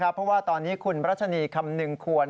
เพราะว่าตอนนี้คุณรัชนีคำนึงควร